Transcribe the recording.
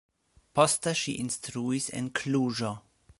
Poste ŝi instruis en Kluĵo.